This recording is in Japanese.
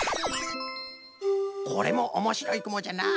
これもおもしろいくもじゃなあ。